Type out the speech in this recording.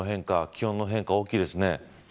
気温の変化大きいですね。